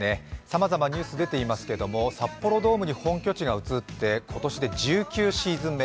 さまざまニュース出ていますけども、札幌ドームに本拠地が移って今年で１９シーズン目。